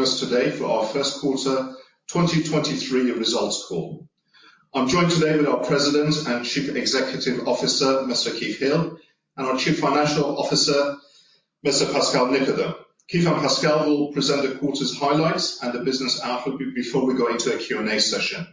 us today for our first quarter 2023 results call. I'm joined today with our President and Chief Executive Officer, Mr. Keith Hill, and our Chief Financial Officer, Mr. Pascal Nicodème. Keith and Pascal will present the quarter's highlights and the business outlook before we go into a Q&A session.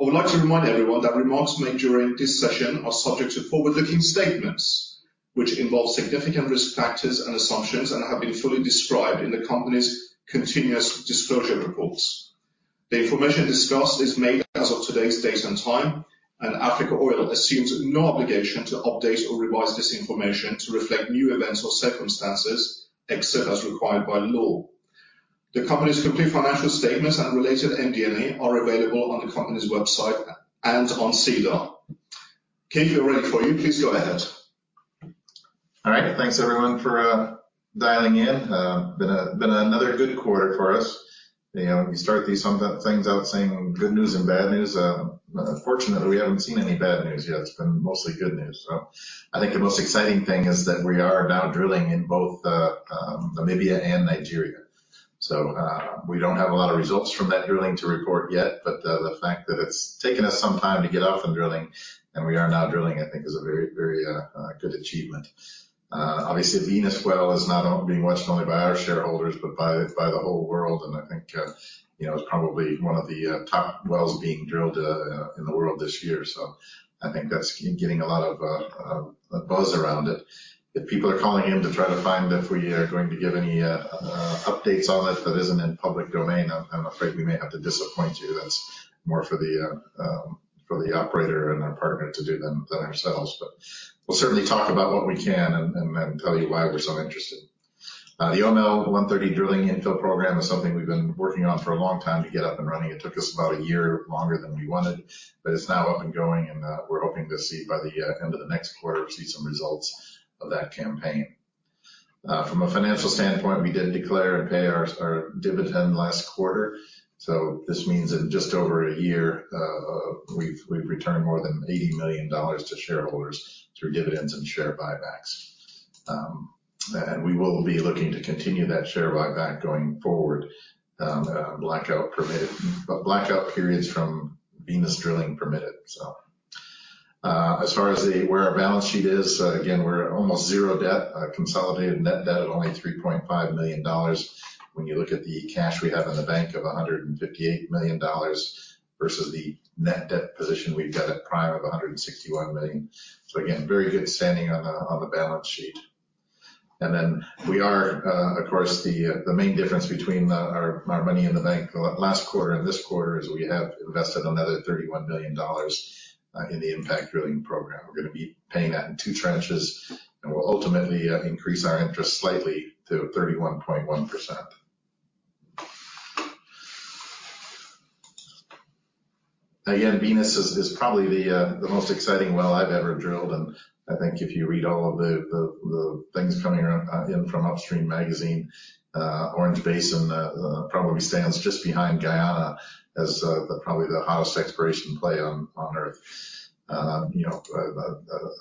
I would like to remind everyone that remarks made during this session are subject to forward-looking statements which involve significant risk factors and assumptions and have been fully described in the company's continuous disclosure reports. The information discussed is made as of today's date and time, and Africa Oil assumes no obligation to update or revise this information to reflect new events or circumstances, except as required by law. The company's complete financial statements and related MD&A are available on the company's website and on SEDAR. Keith, we're ready for you. Please go ahead. All right. Thanks everyone for dialing in. Been another good quarter for us. You know, we start these some things out saying good news and bad news. Fortunately, we haven't seen any bad news yet. It's been mostly good news. I think the most exciting thing is that we are now drilling in both Namibia and Nigeria. We don't have a lot of results from that drilling to report yet, but the fact that it's taken us some time to get up and drilling and we are now drilling, I think is a very good achievement. Obviously Venus well is now being watched not only by our shareholders, but by the whole world. I think, you know, it's probably one of the top wells being drilled in the world this year. I think that's getting a lot of buzz around it. If people are calling in to try to find if we are going to give any updates on it that isn't in public domain, I'm afraid we may have to disappoint you. That's more for the operator and our partner to do than ourselves. We'll certainly talk about what we can and tell you why we're so interested. The OML 130 drilling infill program is something we've been working on for a long time to get up and running. It took us about a year longer than we wanted, but it's now up and going and we're hoping to see by the end of the next quarter, see some results of that campaign. From a financial standpoint, we did declare and pay our dividend last quarter. This means in just over a year, we've returned more than $80 million to shareholders through dividends and share buybacks. We will be looking to continue that share buyback going forward, Blackout periods from Venus Drilling permitted. As far as where our balance sheet is, again, we're almost zero debt, consolidated net debt of only $3.5 million. When you look at the cash we have in the bank of $158 million versus the net debt position we've got at prior of 161 million. Again, very good standing on the balance sheet. We are, of course the main difference between our money in the bank last quarter and this quarter is we have invested another $31 million in the Impact Drilling program. We're gonna be paying that in two tranches, and we'll ultimately increase our interest slightly to 31.1%. Venus is probably the most exciting well I've ever drilled. I think if you read all of the things coming in from Upstream Magazine, Orange Basin probably stands just behind Guyana as the hottest exploration play on Earth. You know,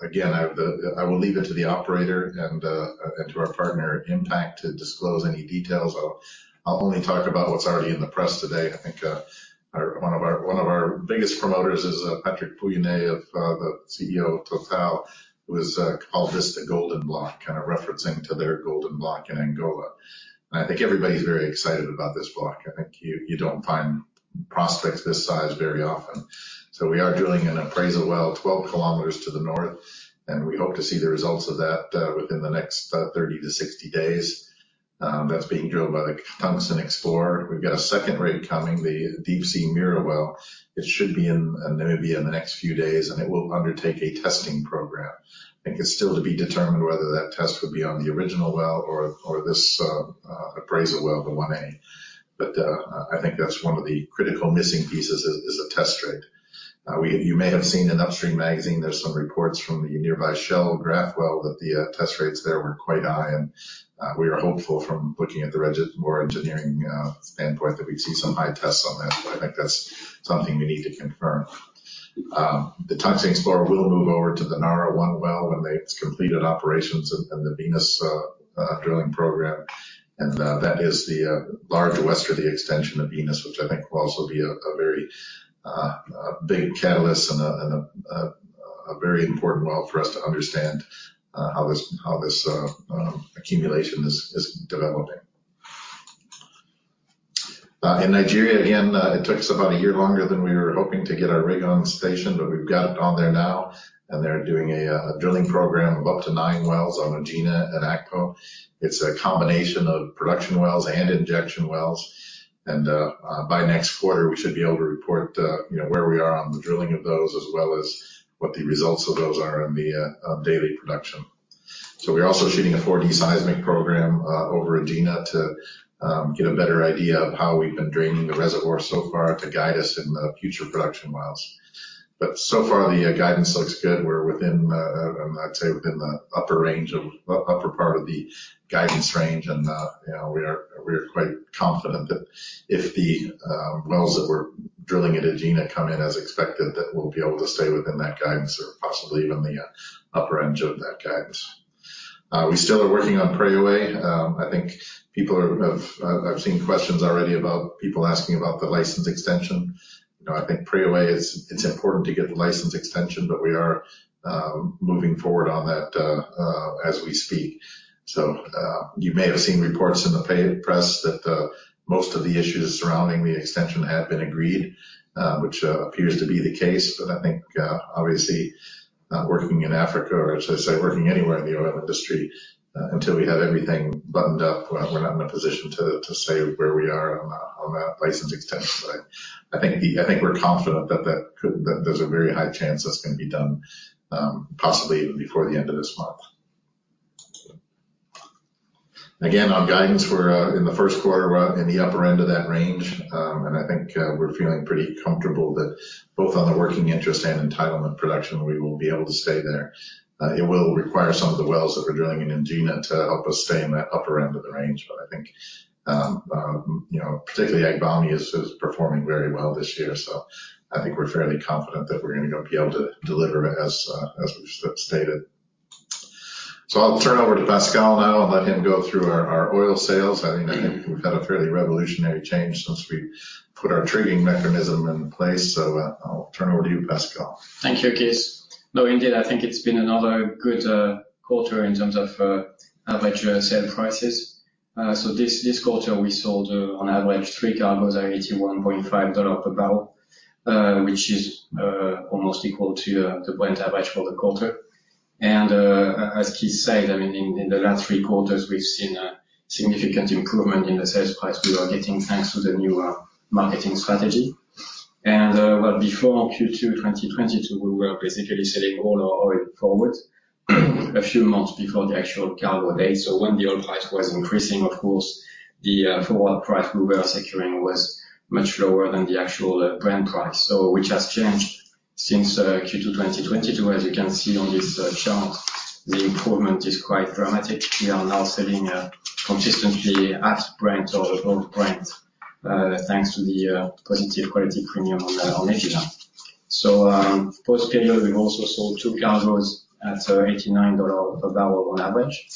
again, I will leave it to the operator and to our partner Impact to disclose any details. I'll only talk about what's already in the press today. I think one of our biggest promoters is Patrick Pouyanné, CEO of Total, who has called this the Golden Block, kind of referencing to their Golden Block in Angola. I think everybody's very excited about this block. I think you don't find prospects this size very often. We are drilling an appraisal well 12 km to the north, and we hope to see the results of that within the next about 30 to 60 days. That's being drilled by the Tungsten Explorer. We've got a second rig coming, the Deepsea Mira well. It should be in Namibia in the next few days, and it will undertake a testing program. I think it's still to be determined whether that test would be on the original well or this appraisal well, the 1A. I think that's one of the critical missing pieces is a test rate. You may have seen in Upstream Magazine there's some reports from the nearby Shell Graff well that the test rates there were quite high and we are hopeful from looking at the. or engineering standpoint that we'd see some high tests on that. I think that's something we need to confirm. The Tungsten Explorer will move over to the Nara-1 well when they've completed operations in the Venus drilling program. That is the large westerly extension of Venus, which I think will also be a very big catalyst and a very important well for us to understand how this accumulation is developing. In Nigeria again, it took us about a year longer than we were hoping to get our rig on station, but we've got it on there now, and they're doing a drilling program of up to nine wells on Egina and Akpo. It's a combination of production wells and injection wells. By next quarter, we should be able to report, you know, where we are on the drilling of those, as well as what the results of those are on the daily production. We're also shooting a 4D seismic program over Egina to get a better idea of how we've been draining the reservoir so far to guide us in the future production wells. So far the guidance looks good. We're within, I'd say within the upper part of the guidance range and, you know, we are quite confident that if the wells that we're drilling at Egina come in as expected, that we'll be able to stay within that guidance or possibly even the upper end of that guidance. We still are working on Preowei. I've seen questions already about people asking about the license extension. You know, I think Preowei is, it's important to get the license extension, but we are moving forward on that as we speak. You may have seen reports in the paid press that most of the issues surrounding the extension have been agreed, which appears to be the case. Obviously, working in Africa, or should I say, working anywhere in the oil industry, until we have everything buttoned up, we're not in a position to say where we are on that license extension. I think we're confident that there's a very high chance that's gonna be done, possibly even before the end of this month. On guidance, we're in the first quarter, we're in the upper end of that range. I think we're feeling pretty comfortable that both on the working interest and entitlement production, we will be able to stay there. It will require some of the wells that we're drilling in Egina to help us stay in that upper end of the range. I think, you know, particularly Agbami is performing very well this year, so I think we're fairly confident that we're gonna go be able to deliver as we've stated. I'll turn over to Pascal now and let him go through our oil sales. I think we've had a fairly revolutionary change since we put our triggering mechanism in place. I'll turn over to you, Pascal. Thank you, Keith. No, indeed, I think it's been another good quarter in terms of average sale prices. This quarter we sold on average three cargoes at $81.5 per barrel, which is almost equal to the Brent average for the quarter. As Keith said, I mean, in the last three quarters, we've seen a significant improvement in the sales price we are getting, thanks to the new marketing strategy. Well, before Q2 2022, we were basically selling all our oil forward a few months before the actual cargo date. When the oil price was increasing, of course, the forward price we were securing was much lower than the actual Brent price. Which has changed since Q2 2022. As you can see on this chart, the improvement is quite dramatic. We are now selling consistently at Brent or above Brent, thanks to the positive quality premium on Egina. Post-period, we've also sold two cargoes at $89 per barrel on average.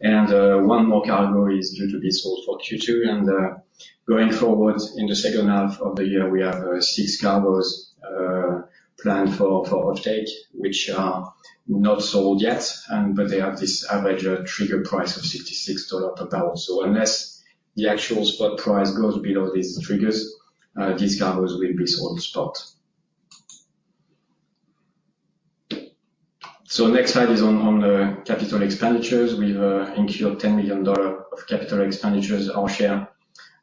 1 more cargo is due to be sold for Q2. Going forward, in the second half of the year, we have 6 cargoes planned for offtake, which are not sold yet, but they have this average trigger price of $66 per barrel. Unless the actual spot price goes below these triggers, these cargoes will be sold spot. Next slide is on the capital expenditures. We've incurred $10 million of capital expenditures our share,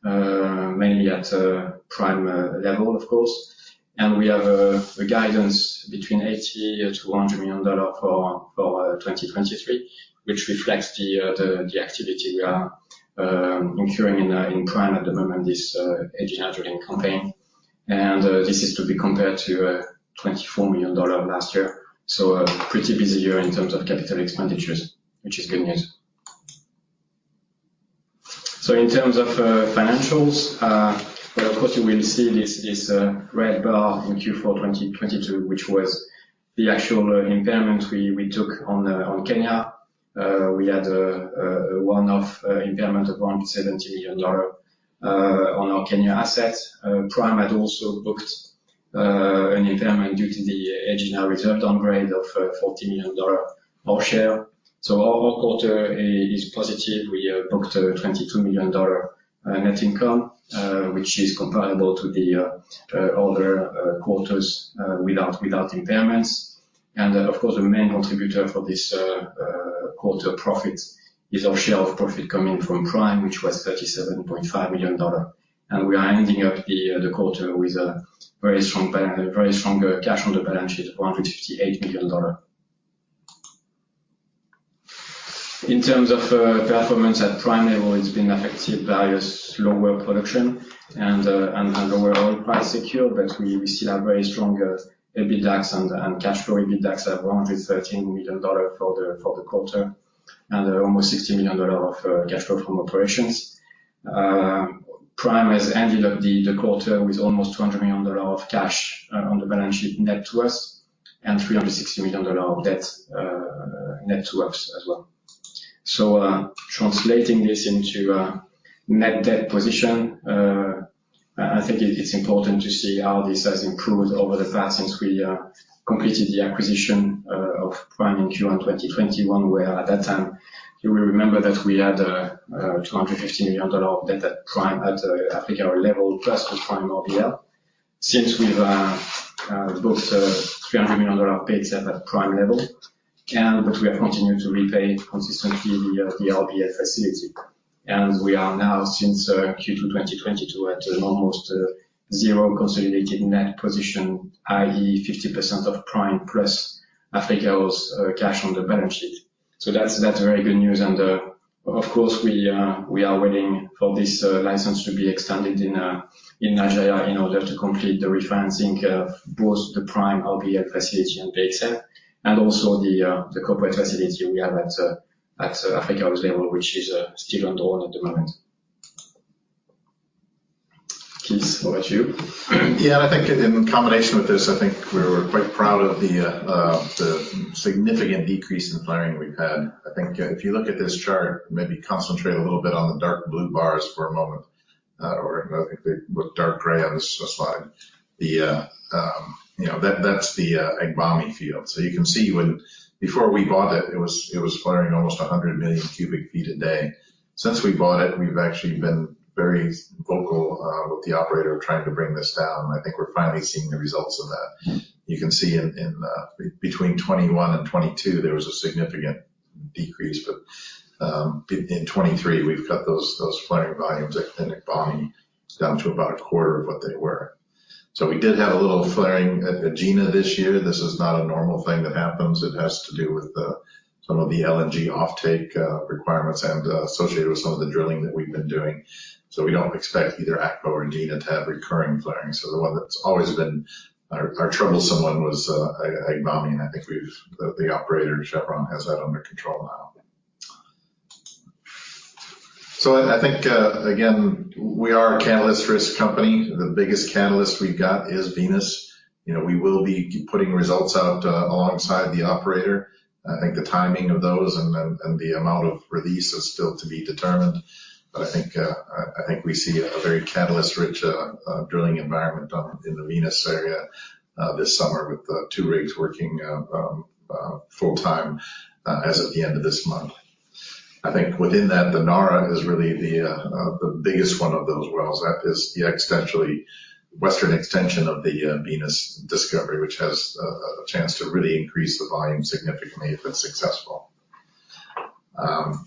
mainly at Prime level, of course. We have a guidance between $80 million-$100 million for 2023, which reflects the activity we are incurring in Prime at the moment, this Egina drilling campaign. This is to be compared to $24 million last year. A pretty busy year in terms of capital expenditures, which is good news. In terms of financials, well, of course, you will see this red bar in Q4 2022, which was the actual impairment we took on Kenya. We had a one-off impairment of $170 million on our Kenya assets. Prime had also booked an impairment due to the Egina reserve downgrade of $14 million our share. Our quarter is positive. We booked a $22 million net income, which is comparable to the other quarters, without impairments. Of course, the main contributor for this quarter profit is our share of profit coming from Prime, which was $37.5 million. We are ending up the quarter with a very strong cash on the balance sheet, $158 million. In terms of performance at Prime level, it's been affected by lower production and lower oil price secure, but we still have very strong EBITDAX and cash flow. EBITDAX at $113 million for the quarter, and almost $60 million of cash flow from operations. Prime has ended up the quarter with almost $200 million of cash on the balance sheet net to us and $360 million of debt net to us as well. Translating this into a net debt position, I think it's important to see how this has improved over the past since we completed the acquisition of Prime in Q1 2021, where at that time, you will remember that we had $250 million of debt at Prime at Africa Oil level plus the Prime RBF. Since we've booked $300 million of bids at that Prime level, and but we have continued to repay consistently the RBF facility. We are now since Q2 2022 at an almost zero consolidated net position, i.e., 50% of Prime plus Africa Oil's cash on the balance sheet. That's very good news. Of course, we are waiting for this license to be extended in In Nigeria in order to complete the refinancing of both the Prime RBL facility and PXF and also the corporate facility we have at Africa Oil Corp., which is still ongoing at the moment. Keith, what about you? Yeah, I think in combination with this, I think we're quite proud of the significant decrease in flaring we've had. I think if you look at this chart, maybe concentrate a little bit on the dark blue bars for a moment, or I think the dark gray is just fine. The, you know, that's the Egina field. You can see when before we bought it was flaring almost 100 million cubic feet a day. Since we bought it, we've actually been very vocal with the operator trying to bring this down, and I think we're finally seeing the results of that. You can see in between 2021 and 2022, there was a significant decrease. In 2023, we've cut those flaring volumes at Agbami down to about a quarter of what they were. We did have a little flaring at Egina this year. This is not a normal thing that happens. It has to do with some of the LNG offtake requirements and associated with some of the drilling that we've been doing. We don't expect either Akpo or Egina to have recurring flaring. The one that's always been our troublesome one was Agbami. The operator, Chevron, has that under control now. I think again, we are a catalyst-risk company. The biggest catalyst we've got is Venus. You know, we will be putting results out alongside the operator. I think the timing of those and the, and the amount of release is still to be determined. I think, I think we see a very catalyst-rich drilling environment on, in the Venus area, this summer with two rigs working full-time as of the end of this month. I think within that, the Nara is really the biggest one of those wells. That is the western extension of the Venus discovery, which has a chance to really increase the volume significantly if it's successful.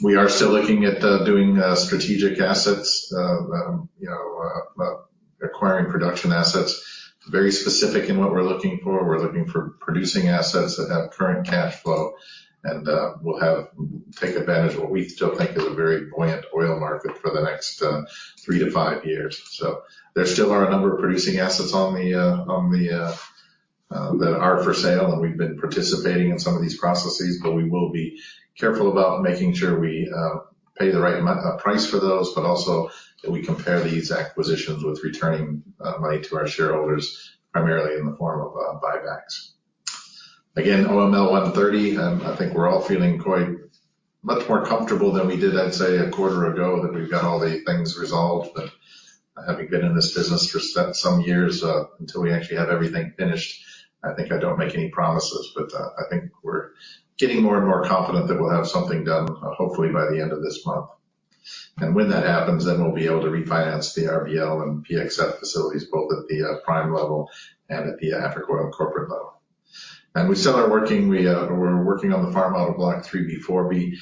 We are still looking at doing strategic assets, you know, acquiring production assets. Very specific in what we're looking for. We're looking for producing assets that have current cash flow and will have... take advantage of what we still think is a very buoyant oil market for the next 3 to 5 years. There still are a number of producing assets on the that are for sale, and we've been participating in some of these processes. We will be careful about making sure we pay the right price for those, but also that we compare these acquisitions with returning money to our shareholders, primarily in the form of buybacks. Again, OML 130, I think we're all feeling quite much more comfortable than we did, I'd say, a quarter ago, that we've got all the things resolved. Having been in this business for some years, until we actually have everything finished, I think I don't make any promises. I think we're getting more and more confident that we'll have something done, hopefully by the end of this month. When that happens, then we'll be able to refinance the RBL and PXF facilities, both at the prime level and at the Africa Oil corporate level. We still are working. We're working on the farm out of Block 3B/4B.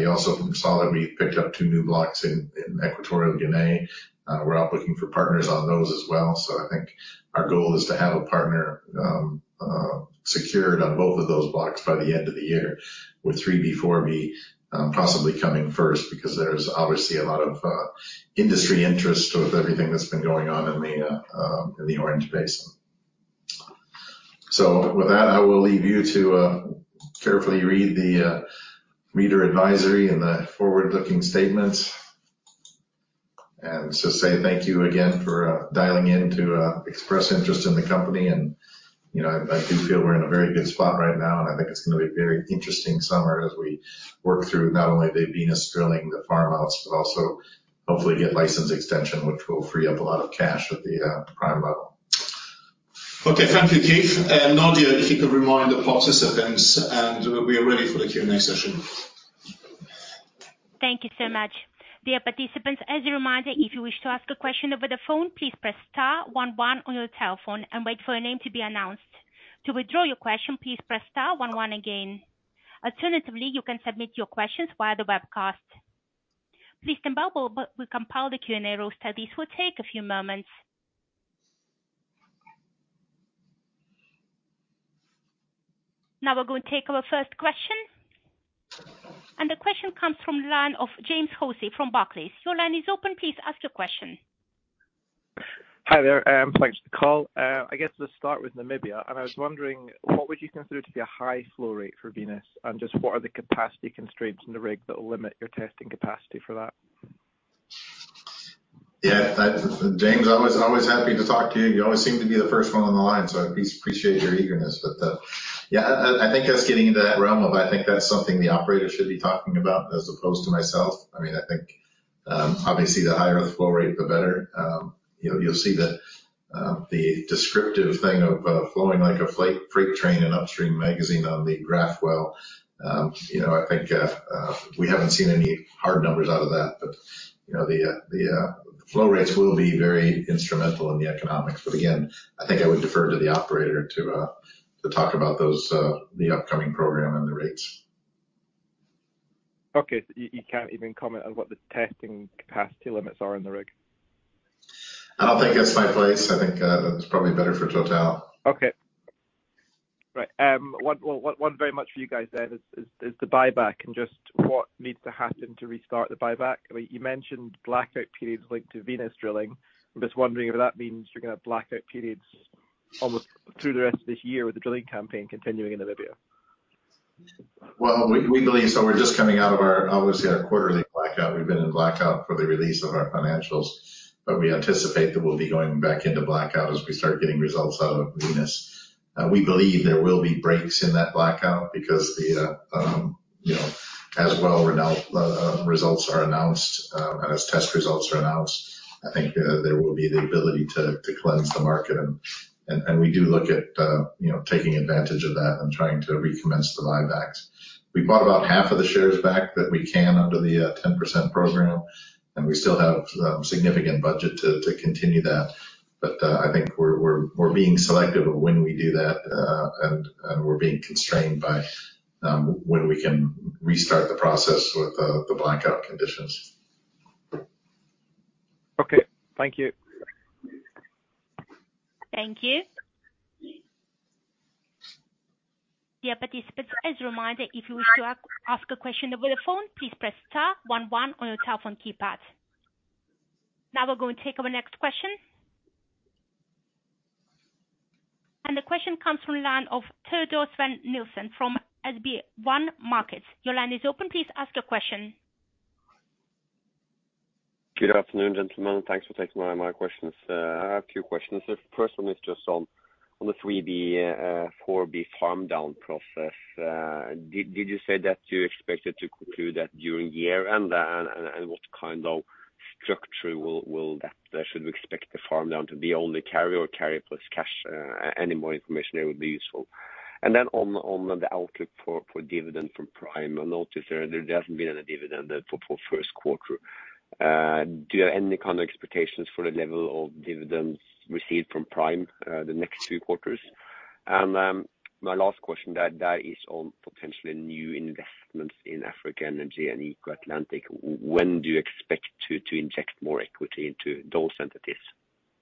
You also saw that we picked up two new blocks in Equatorial Guinea. We're out looking for partners on those as well. I think our goal is to have a partner secured on both of those blocks by the end of the year, with 3B/4B possibly coming first because there's obviously a lot of industry interest with everything that's been going on in the Orange Basin. With that, I will leave you to carefully read the reader advisory and the forward-looking statements and just say thank you again for dialing in to express interest in the company. You know, I do feel we're in a very good spot right now, and I think it's gonna be a very interesting summer as we work through not only the Venus drilling, the farm outs, but also hopefully get license extension, which will free up a lot of cash at the Prime level. Okay. Thank you, Keith. Nadia, if you could remind the participants, and we are ready for the Q&A session. Thank you so much. Dear participants, as a reminder, if you wish to ask a question over the phone, please press *11 on your telephone and wait for your name to be announced. To withdraw your question, please press *11 again. Alternatively, you can submit your questions via the webcast. Please stand by while we compile the Q&A roster. This will take a few moments. Now we're going to take our first question. The question comes from line of James Hosie from Barclays. Your line is open. Please ask your question. Hi there. thanks for the call. I guess let's start with Namibia. I was wondering, what would you consider to be a high flow rate for Venus? Just what are the capacity constraints in the rig that will limit your testing capacity for that? Yeah, that... James Hosie, always happy to talk to you. You always seem to be the first one on the line, so I appreciate your eagerness. Yeah, I think that's getting into that realm of I think that's something the operator should be talking about as opposed to myself. I mean, I think obviously the higher the flow rate, the better. You know, you'll see the descriptive thing of flowing like a freight train in Upstream Magazine on the Graff well. You know, I think we haven't seen any hard numbers out of that, but, you know, the flow rates will be very instrumental in the economics. Again, I think I would defer to the operator to talk about those, the upcoming program and the rates. Okay. You can't even comment on what the testing capacity limits are in the rig? I don't think it's my place. I think that's probably better for TotalEnergies. Okay. One very much for you guys then is the buyback and just what needs to happen to restart the buyback? I mean, you mentioned blackout periods linked to Venus drilling. I'm just wondering if that means you're gonna have blackout periods almost through the rest of this year with the drilling campaign continuing in Namibia? We believe. We're just coming out of our, obviously our quarterly blackout. We've been in blackout for the release of our financials, but we anticipate that we'll be going back into blackout as we start getting results out of Venus. We believe there will be breaks in that blackout because the, you know, as well results are announced, and as test results are announced, I think, there will be the ability to cleanse the market and we do look at, you know, taking advantage of that and trying to recommence the buybacks. We bought about half of the shares back that we can under the 10% program, and we still have significant budget to continue that. I think we're being selective of when we do that, and we're being constrained by when we can restart the process with the blackout conditions. Okay, thank you. Thank you. Dear participants, as a reminder, if you wish to ask a question over the phone, please press *11 on your telephone keypad. Now we're going to take our next question. The question comes from line of Teodor Sveen-Nilsen from SpareBank 1 Markets. Your line is open. Please ask your question. Good afternoon, gentlemen. Thanks for taking my questions. I have two questions. The first one is just on the 3B/4B farm down process. Did you say that you expected to conclude that during the year? What kind of structure will that... Should we expect the farm down to be only carry or carry plus cash? Any more information there would be useful. On the outlook for dividend from Prime. I noticed there hasn't been any dividend there for first quarter. Do you have any kind of expectations for the level of dividends received from Prime the next two quarters? My last question that is on potentially new investments in Africa Energy and Eco Atlantic. When do you expect to inject more equity into those entities?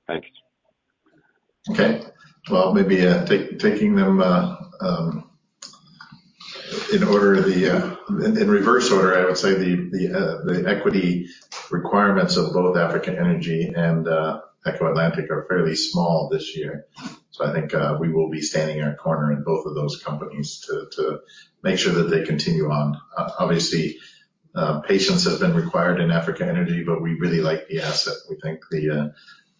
Thanks. Okay. Well, maybe, taking them in order of the in reverse order, I would say the equity requirements of both Africa Energy and Eco Atlantic are fairly small this year. I think, we will be standing our corner in both of those companies to make sure that they continue on. Obviously, patience has been required in Africa Energy. We really like the asset. We think the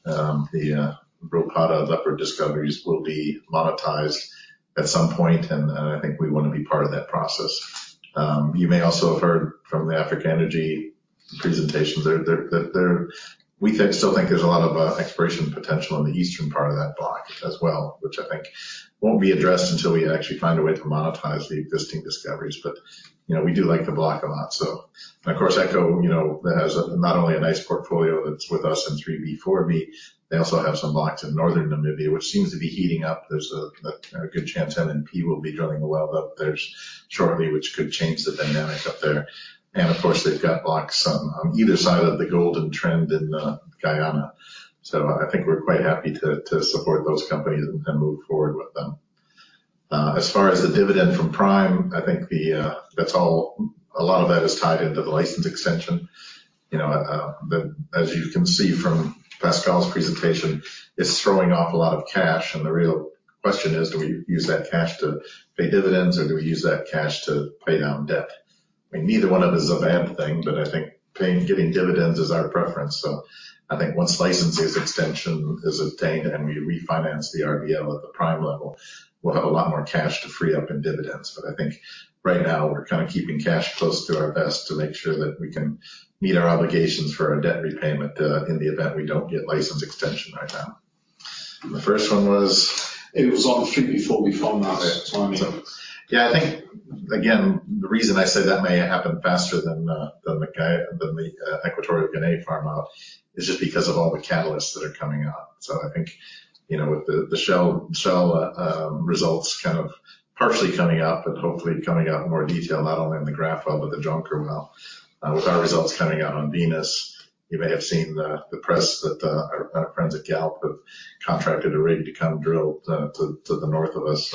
Brulpadda and Luiperd discoveries will be monetized at some point, and I think we want to be part of that process. You may also have heard from the Africa Energy presentation that there... We think, still think there's a lot of exploration potential in the eastern part of that block as well, which I think won't be addressed until we actually find a way to monetize the existing discoveries. You know, we do like the block a lot. Of course, Eco, you know, that has not only a nice portfolio that's with us in 3B/4B, they also have some blocks in northern Namibia, which seems to be heating up. There's a, you know, good chance NNPC will be drilling a well there shortly, which could change the dynamic up there. Of course, they've got blocks on either side of the Golden Trend in Guyana. I think we're quite happy to support those companies and move forward with them. As far as the dividend from Prime, I think that's all. A lot of that is tied into the license extension. You know, as you can see from Pascal's presentation, it's throwing off a lot of cash, and the real question is, do we use that cash to pay dividends, or do we use that cash to pay down debt? I mean, neither one of them is a bad thing, but I think giving dividends is our preference. I think once license extension is obtained and we refinance the RBL at the Prime level, we'll have a lot more cash to free up in dividends. I think right now we're kind of keeping cash close to our vest to make sure that we can meet our obligations for our debt repayment, in the event we don't get license extension right now. The first one was? It was on three B four B farm out timing. Yeah. I think, again, the reason I say that may happen faster than the Equatorial Guinea farm out is just because of all the catalysts that are coming out. I think, you know, with the Shell results kind of partially coming out, but hopefully coming out in more detail, not only in the Graff but the Jonker well. With our results coming out on Venus, you may have seen the press that our friends at Galp have contracted already to come drill to the north of us.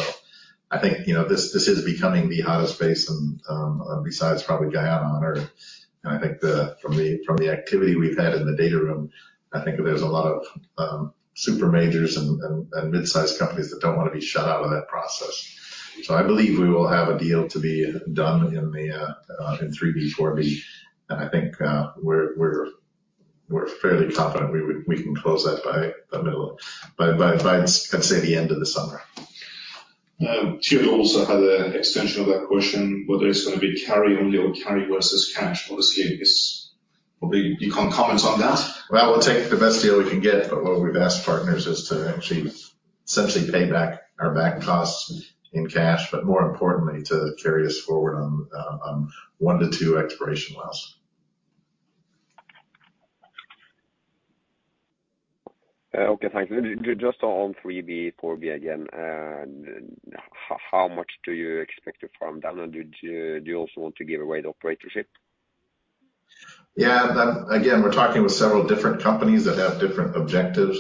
I think, you know, this is becoming the hottest space besides probably Guyana on Earth. I think the... From the activity we've had in the data room, I think there's a lot of super majors and mid-sized companies that don't want to be shut out of that process. I believe we will have a deal to be done in 3B/4B. I think we're fairly confident we can close that by the middle, I'd say, the end of the summer. Teodor also had an extension of that question, whether it's gonna be carry only or carry versus cash. Obviously, it's. Will be. You can't comment on that? We'll take the best deal we can get, but what we've asked partners is to actually essentially pay back our back costs in cash, but more importantly, to carry us forward on, one to two exploration wells. Okay. Thank you. Just on 3B, 4B again. How much do you expect to farm down, and do you also want to give away the operatorship? Again, we're talking with several different companies that have different objectives.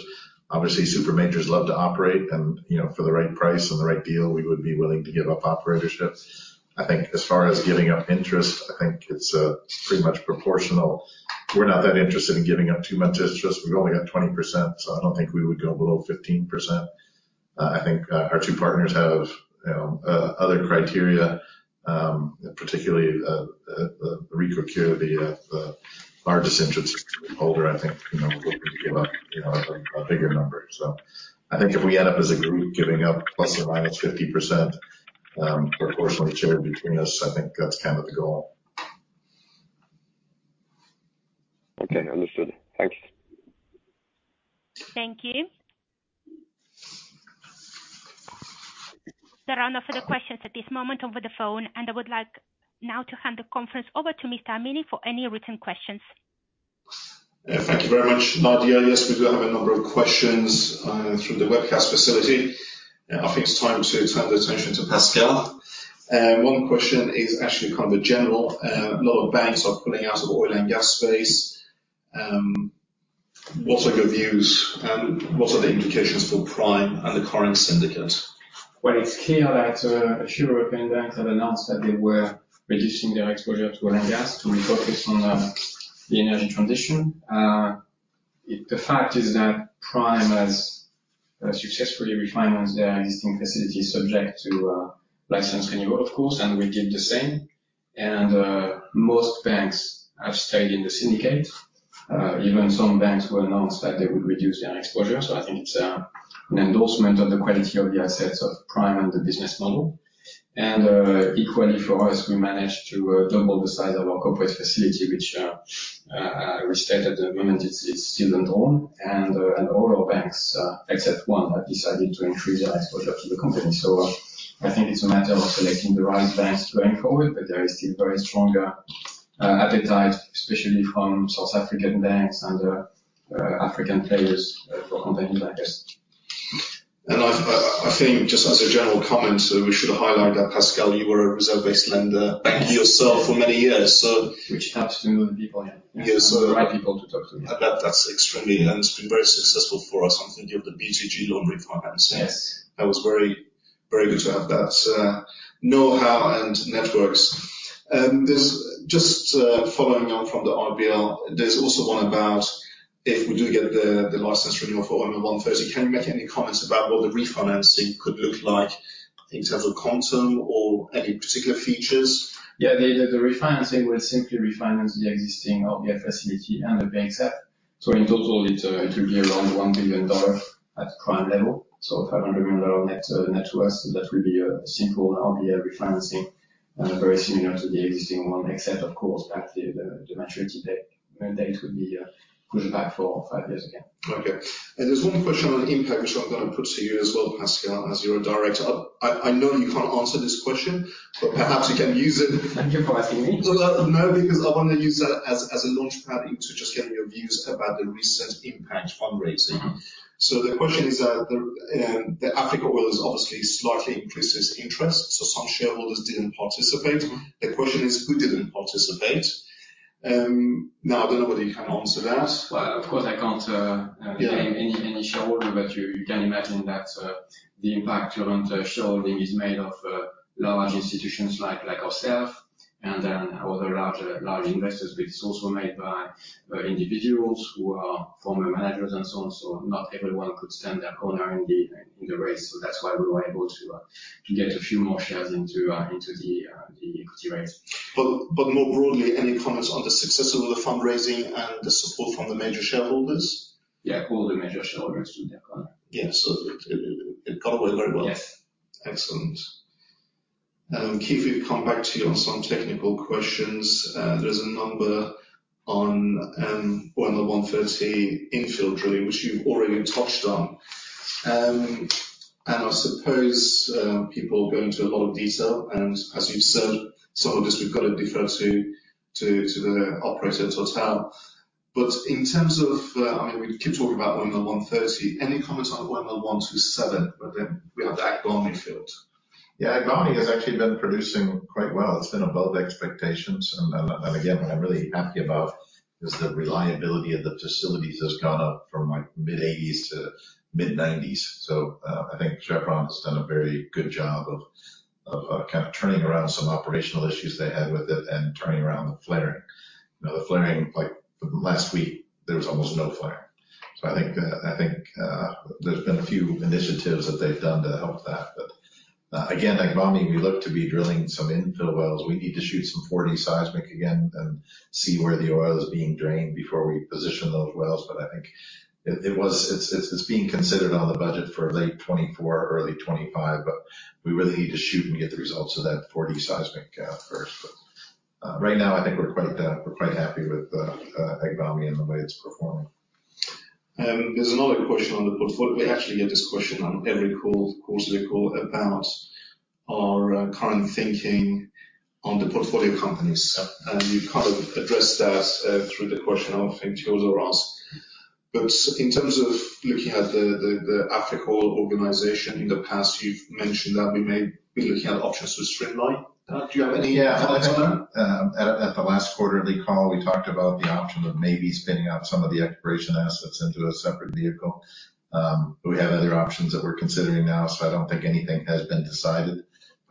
Obviously, super majors love to operate and, you know, for the right price and the right deal, we would be willing to give up operatorship. I think as far as giving up interest, I think it's pretty much proportional. We're not that interested in giving up too much interest. We've only got 20%, so I don't think we would go below 15%. I think our two partners have, you know, other criteria, particularly Ricocure, the largest interest holder, I think, you know, looking to give up, you know, a bigger number. I think if we end up as a group giving up plus or minus 50%, proportionally shared between us, I think that's kind of the goal. Okay. Understood. Thanks. Thank you. There are no further questions at this moment over the phone. I would like now to hand the conference over to Mr. Amini for any written questions. Yeah. Thank you very much, Nadia. Yes, we do have a number of questions through the webcast facility. I think it's time to turn the attention to Pascal. One question is actually kind of a general. A lot of banks are pulling out of oil and gas space. What are your views, and what are the implications for Prime and the current syndicate? Well, it's clear that a few European banks have announced that they were reducing their exposure to oil and gas to refocus on the energy transition. The fact is that Prime has successfully refinanced their existing facility subject to license renewal, of course, and we did the same. Most banks have stayed in the syndicate. Even some banks who announced that they would reduce their exposure. I think it's an endorsement on the quality of the assets of Prime and the business model. Equally for us, we managed to double the size of our corporate facility, which restricted at the moment it's still not on. All our banks except one have decided to increase their exposure to the company. I think it's a matter of selecting the right banks going forward, but there is still very stronger appetite, especially from South African banks and African players for continued, I guess. I think just as a general comment, we should highlight that Pascal, you were a reserve-based lender-. Thank you. -yourself for many years, so- Which helps to know the people, yeah. Yes. The right people to talk to. That's extremely. It's been very successful for us. I'm thinking of the BTG loan refinancing. Yes. That was very, very good to have that know-how and networks. There's just following on from the RBL. There's also one about if we do get the license renewal for 130, can you make any comments about what the refinancing could look like in terms of quantum or any particular features? The refinancing will simply refinance the existing RBL facility and the bankset. In total, it will be around $1 billion at Prime level. $500 million net to us. That will be a simple RBL refinancing, very similar to the existing one except of course that the maturity date, end date will be pushed back for 5 years again. Okay. There's one question on Impact which I'm gonna put to you as well, Pascal, as you're a director. I know you can't answer this question, but perhaps you can use it. Thank you for asking me. No, because I want to use that as a launchpad into just getting your views about the recent Impact fundraising. The question is that the Africa Oil has obviously slightly increased its interest, so some shareholders didn't participate. The question is, who didn't participate? Now, I don't know whether you can answer that. Well, of course I can't. Yeah. Name any shareholder, you can imagine that the impact around shareholding is made of large institutions like ourselves and then other large investors. It's also made by individuals who are former managers and so on. Not everyone could stand their corner in the race. That's why we were able to get a few more shares into the equity raise. More broadly, any comments on the success of the fundraising and the support from the major shareholders? Yeah. All the major shareholders stood their ground. Yeah. It got away very well. Yes. Excellent. Keith, we've come back to you on some technical questions. There's a number on OML 130 infill drilling, which you've already touched on. I suppose people go into a lot of detail, and as you've said, some of this we've got to defer to the operator, TotalEnergies. In terms of, I mean, we keep talking about OML 130. Any comments on OML 127? We have the Agbami field. Yeah. Agbami has actually been producing quite well. It's been above expectations. Again, what I'm really happy about is the reliability of the facilities has gone up from like mid-80s to mid-90s. I think Chevron has done a very good job of kind of turning around some operational issues they had with it and turning around the flaring. You know, the flaring, like last week there was almost no flaring. I think there's been a few initiatives that they've done to help that. Again, Agbami, we look to be drilling some infill wells. We need to shoot some 4D seismic again and see where the oil is being drained before we position those wells. I think it was... It's being considered on the budget for late 2024 or early 2025, but we really need to shoot and get the results of that 4D seismic first. Right now I think we're quite happy with Agbami and the way it's performing. We actually get this question on every call, quarterly call about our current thinking on the portfolio companies. Yep. You've kind of addressed that through the question I think George asked. In terms of looking at the, the Africa Oil organization, in the past, you've mentioned that we may be looking at options to streamline. Do you have any comments on that? At the last quarterly call, we talked about the option of maybe spinning out some of the exploration assets into a separate vehicle. We have other options that we're considering now, so I don't think anything has been decided.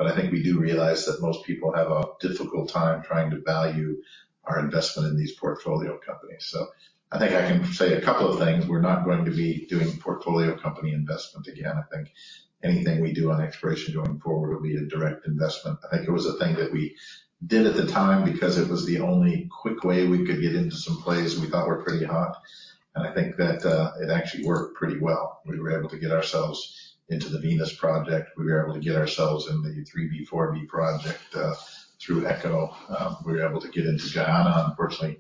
I think we do realize that most people have a difficult time trying to value our investment in these portfolio companies. I think I can say a couple of things. We're not going to be doing portfolio company investment again. I think anything we do on exploration going forward will be a direct investment. I think it was a thing that we did at the time because it was the only quick way we could get into some plays we thought were pretty hot. I think that it actually worked pretty well. We were able to get ourselves into the Venus project. We were able to get ourselves in the 3B/4B project through Eco Atlantic. We were able to get into Guyana. Unfortunately,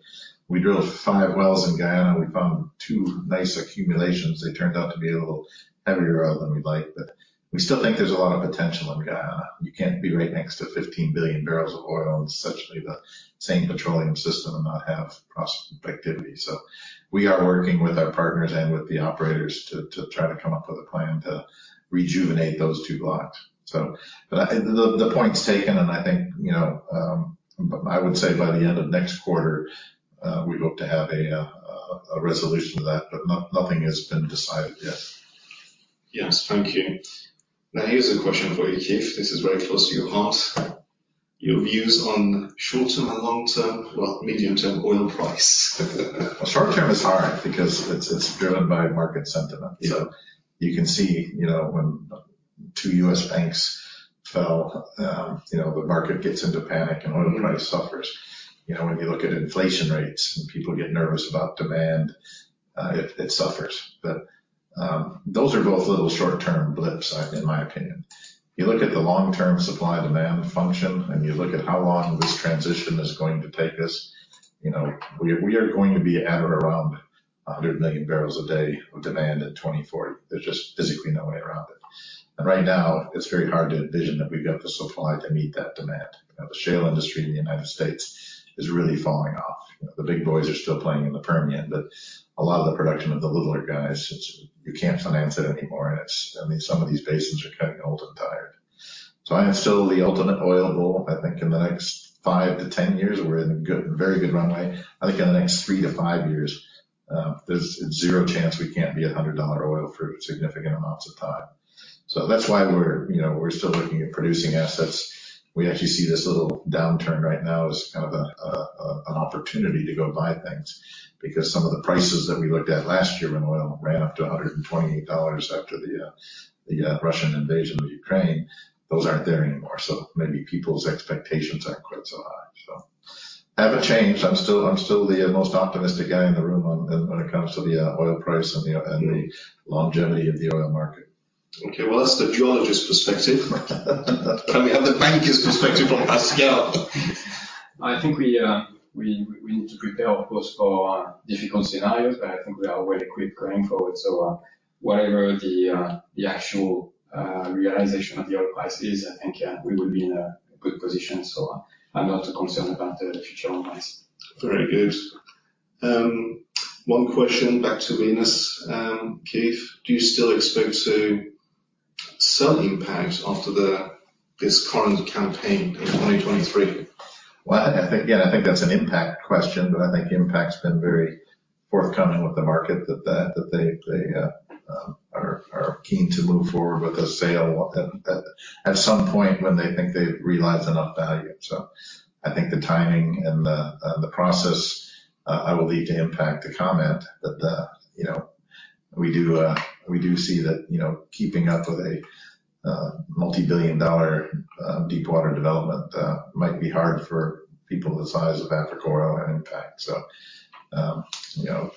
we drilled five wells in Guyana. We found two nice accumulations. They turned out to be a little heavier than we'd like, but we still think there's a lot of potential in Guyana. You can't be right next to 15 billion barrels of oil in essentially the same petroleum system and not have prospectivity. We are working with our partners and with the operators to try to come up with a plan to rejuvenate those 2 blocks. The point's taken, and I think, you know, I would say by the end of next quarter, we hope to have a resolution to that. Nothing has been decided yet. Yes, thank you. Here's a question for you, Keith. This is very close to your heart. Your views on short-term and long-term, well, medium-term oil price. Well, short term is hard because it's driven by market sentiment. You can see, you know, when two U.S. banks fell, you know, the market gets into panic and oil price suffers. You know, when you look at inflation rates and people get nervous about demand, it suffers. Those are both a little short term blips, in my opinion. You look at the long-term supply and demand function, and you look at how long this transition is going to take us, you know, we are going to be at or around 100 million barrels a day of demand in 2040. There's just physically no way around it. Right now it's very hard to envision that we've got the supply to meet that demand. You know, the shale industry in the United States is really falling off. You know, the big boys are still playing in the Permian, but a lot of the production of the littler guys, you can't finance it anymore, and, I mean, some of these basins are getting old and tired. I am still the ultimate oil bull. I think in the next five to 10 years, we're in good, very good runway. I think in the next three to five years, there's zero chance we can't be at $100 oil for significant amounts of time. That's why we're, you know, we're still looking at producing assets. We actually see this little downturn right now as kind of an opportunity to go buy things because some of the prices that we looked at last year when oil ran up to $128 after the Russian invasion of Ukraine, those aren't there anymore, so maybe people's expectations aren't quite so high. I haven't changed. I'm still the most optimistic guy in the room on... when it comes to the oil price and the longevity of the oil market. Okay, well, that's the geologist perspective. Can we have the banker's perspective from Pascal? I think we need to prepare, of course, for difficult scenarios, but I think we are well equipped going forward. Whatever the actual realization of the oil price is, I think, yeah, we will be in a good position. I'm not concerned about the future oil price. Very good. One question back to Venus, Keith. Do you still expect to sell Impact after this current campaign in 2023? I think. Yeah, I think that's an Impact question, but I think Impact's been very forthcoming with the market that they are keen to move forward with a sale at some point when they think they've realized enough value. I think the timing and the process, I will leave to Impact to comment. You know, we do see that, you know, keeping up with a multi-billion dollar deepwater development might be hard for people the size of Africa Oil and Impact. You know,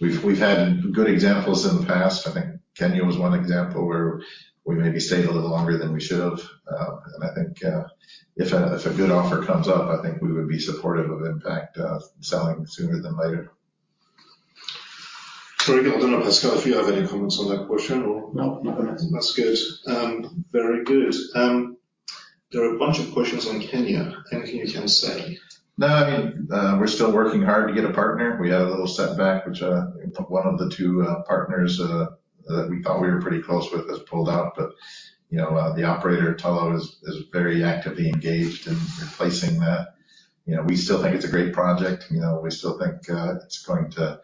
we've had good examples in the past. I think Kenya was one example where we maybe stayed a little longer than we should have. I think, if a good offer comes up, I think we would be supportive of Impact selling sooner than later. Very good. I don't know, Pascal, if you have any comments on that question or- No. Nothing. That's good. Very good. There are a bunch of questions on Kenya. Anything you can say? No. I mean, we're still working hard to get a partner. We had a little setback, which, one of the two partners that we thought we were pretty close with has pulled out. You know, the operator, Tullow, is very actively engaged in replacing that. You know, we still think it's a great project. You know, we still think it's going to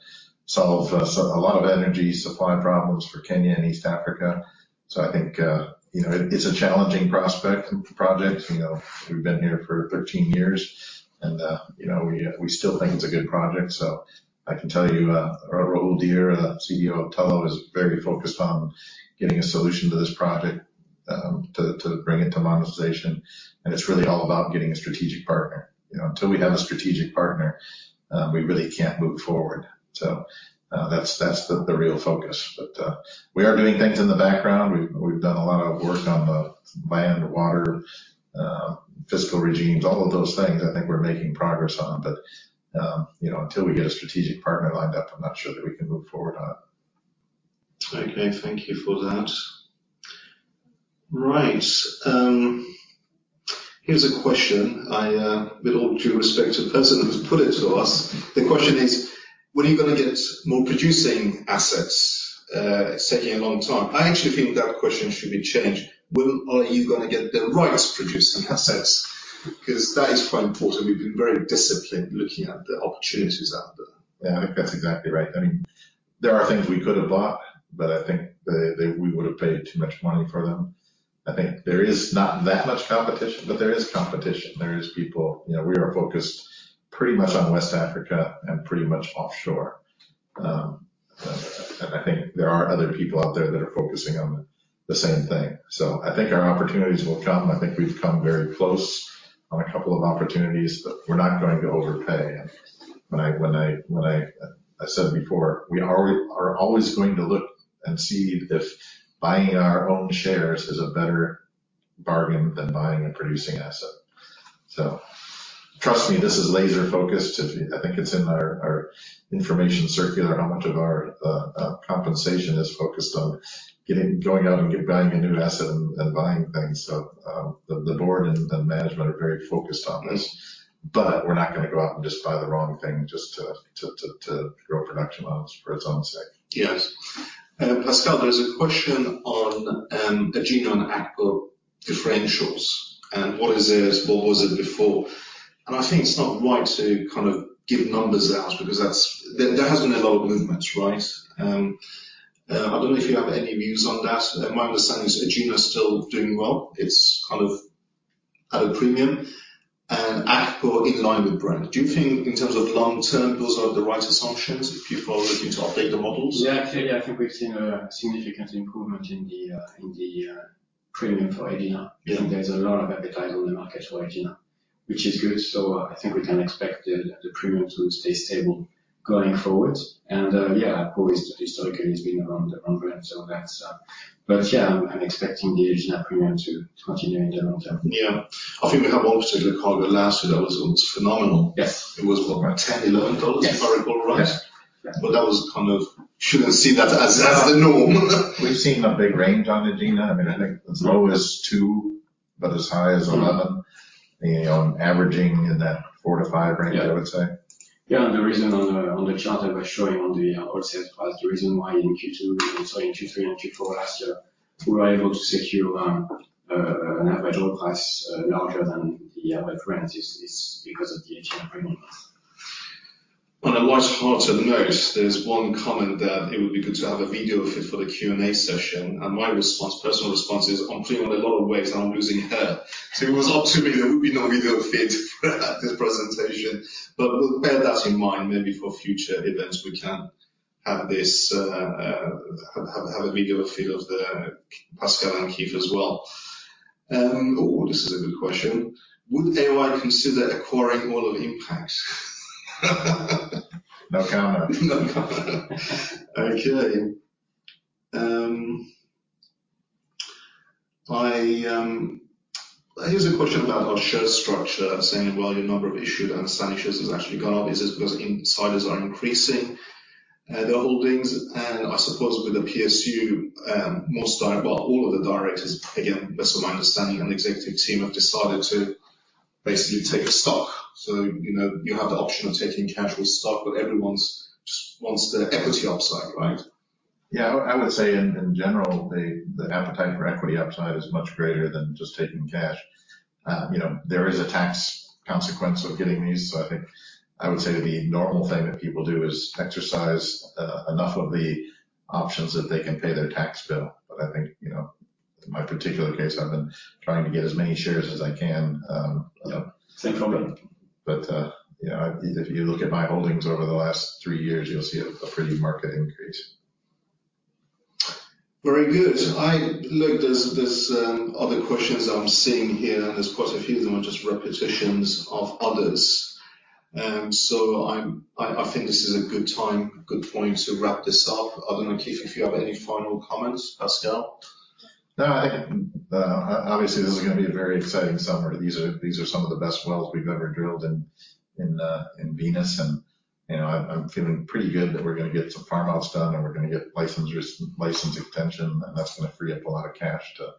solve a lot of energy supply problems for Kenya and East Africa. I think, you know, it's a challenging prospect project. You know, we've been here for 13 years and, you know, we still think it's a good project. I can tell you, our old dear, the CEO of Tullow, is very focused on getting a solution to this project, to bring it to monetization. It's really all about getting a strategic partner. You know, until we have a strategic partner, we really can't move forward. That's the real focus. We are doing things in the background. We've done a lot of work on the land, water, fiscal regimes, all of those things I think we're making progress on. You know, until we get a strategic partner lined up, I'm not sure that we can move forward on it. Okay. Thank you for that. Right. Here's a question. I, with all due respect to the person who's put it to us, the question is, when are you gonna get more producing assets? It's taking a long time. I actually think that question should be changed. When are you gonna get the rights to producing assets? That is quite important. We've been very disciplined looking at the opportunities out there. Yeah, I think that's exactly right. I mean, there are things we could have bought, I think we would have paid too much money for them. I think there is not that much competition, there is competition. There is people. You know, we are focused pretty much on West Africa and pretty much offshore. I think there are other people out there that are focusing on the same thing. I think our opportunities will come. I think we've come very close on a couple of opportunities, but we're not going to overpay. I said before, we are always going to look and see if buying our own shares is a better bargain than buying a producing asset. Trust me, this is laser-focused. If you... I think it's in our information circular, how much of our compensation is focused on going out and getting a new asset and buying things. The, the board and management are very focused on this, but we're not gonna go out and just buy the wrong thing just to grow production levels for its own sake. Yes. Pascal, there's a question on Egina and Akpo differentials and what was it before? I think it's not right to kind of give numbers out because There hasn't been a lot of movements. Right? I don't know if you have any views on that. My understanding is Egina is still doing well. It's kind of at a premium, and Akpo in line with Brent. Do you think in terms of long-term, those are the right assumptions if you were looking to update the models? Yeah. I think we've seen a significant improvement in the in the premium for Egina. Yeah. I think there's a lot of appetite on the market for Egina, which is good. I think we can expect the premium to stay stable going forward. Yeah, Akpo is historically has been around the same. That's. Yeah, I'm expecting the Egina premium to continue in the long term. Yeah. I think we have oil to record last year that was phenomenal. Yes. It was, what? 10, 11 Totals, if I recall right. Yes. Yes. That was kind of shouldn't see that as the norm. We've seen a big range on Egina. I mean, I think as low as two, but as high as 11. You know, averaging in that 4-5 range, I would say. The reason on the chart that we're showing on the oil sales price, the reason why in Q2 and so in Q3 and Q4 last year, we were able to secure an average oil price larger than the reference is because of the Egina premium. On a lighter note, there's one comment that it would be good to have a video fit for the Q&A session. My response, personal response is I'm putting on a lot of weight and I'm losing hair. If it was up to me, there would be no video fit for this presentation. We'll bear that in mind. Maybe for future events we can have this, have a video fit of the Pascal and Keith as well. Oh, this is a good question. Would AOI consider acquiring all of Impact? No comment. No comment. Okay. Here's a question about our share structure saying, well, your number of issued and outstanding shares has actually gone up. Is this because insiders are increasing their holdings? I suppose with the PSU, well, all of the directors, again, that's from my understanding, and the executive team have decided to basically take stock. You know, you have the option of taking cash or stock, but everyone's just wants the equity upside, right? Yeah. I would say in general, the appetite for equity upside is much greater than just taking cash. you know, there is a tax consequence of getting these. I think I would say the normal thing that people do is exercise enough of the options that they can pay their tax bill. I think, you know, in my particular case, I've been trying to get as many shares as I can, you know. Same for me. You know, if you look at my holdings over the last three years, you'll see a pretty marked increase. Very good. look, there's other questions I'm seeing here. There's quite a few of them are just repetitions of others. I think this is a good time, a good point to wrap this up. I don't know, Keith, if you have any final comments. Pascal? I think, obviously this is gonna be a very exciting summer. These are some of the best wells we've ever drilled in Venus. You know, I'm feeling pretty good that we're gonna get some farm outs done and we're gonna get license extension, that's gonna free up a lot of cash to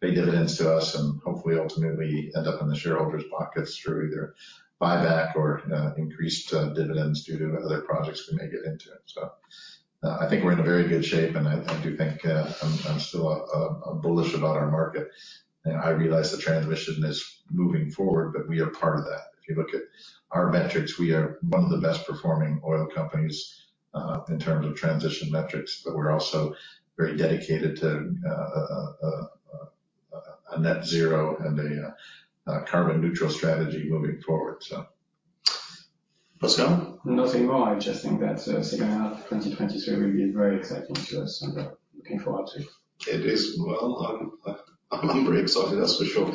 pay dividends to us and hopefully ultimately end up in the shareholders' pockets through either buyback or increased dividends due to other projects we may get into. I think we're in a very good shape, and I do think, I'm still bullish about our market. You know, I realize the transition is moving forward, but we are part of that. If you look at our metrics, we are one of the best performing oil companies, in terms of transition metrics, but we're also very dedicated to a net zero and a carbon neutral strategy moving forward. Pascal? Nothing more. I just think that, second half of 2023 will be very exciting to us and looking forward to. It is. Well, I'm very excited, that's for sure.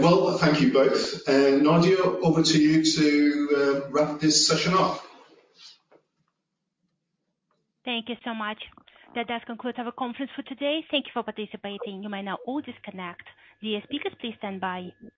Well, thank you both. Nadia, over to you to, wrap this session up. Thank you so much. That does conclude our conference for today. Thank you for participating. You may now all disconnect. DS speakers, please stand by.